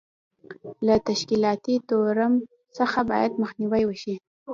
له تشکیلاتي تورم څخه باید مخنیوی وشي.